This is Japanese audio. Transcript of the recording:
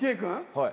はい。